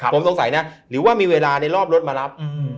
ผมสงสัยนะหรือว่ามีเวลาในรอบรถมารับ